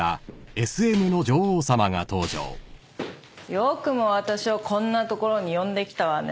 ・「よくも私をこんな所に呼んできたわね」